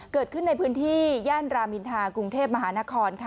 เกิดขึ้นในพื้นที่ย่านรามินทากรุงเทพมหานครค่ะ